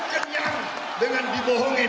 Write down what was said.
kita sudah kenyang dengan dibohongin